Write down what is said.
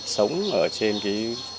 sống ở trên cái